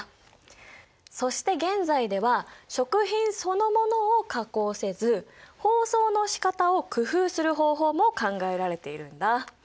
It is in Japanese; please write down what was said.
そして現在では食品そのものを加工せず包装のしかたを工夫する方法も考えられているんだ。